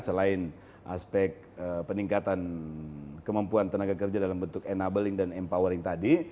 selain aspek peningkatan kemampuan tenaga kerja dalam bentuk enabling dan empowering tadi